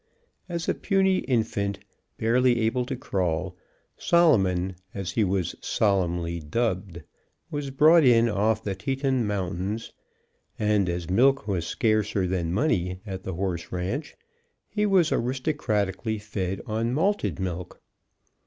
As a puny infant, barely able to crawl, Solomon, as he was solemnly dubbed, was brought in off the Teton Mountains, and as milk was scarcer than money at the horse ranch, he was aristocratically fed on malted milk.